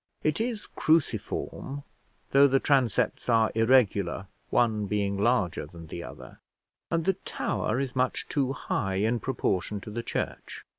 It is cruciform, though the transepts are irregular, one being larger than the other; and the tower is much too high in proportion to the church.